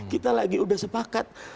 kita lagi sudah sepakat